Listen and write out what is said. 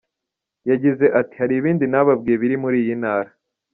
Yagize ati “Hari ibindi nababwiye biri muri iyi ntara.